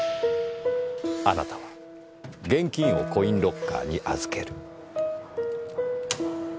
あなたは現金をコインロッカーに預ける。